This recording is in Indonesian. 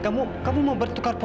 kamu mau bertukar pakaian